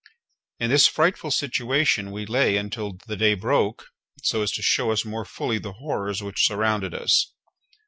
In this frightful situation we lay until the day broke so as to show us more fully the horrors which surrounded us.